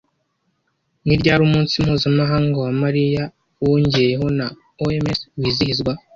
Ni ryari umunsi mpuzamahanga wa Malariya, wongeyeho na OMS wizihizwa